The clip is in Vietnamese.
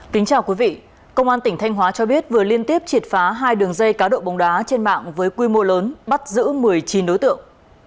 kính chào quý vị công an tỉnh thanh hóa cho biết vừa liên tiếp triệt phá hai đường dây cá độ bóng đá trên mạng với quy mô lớn bắt giữ một mươi chín đối tượng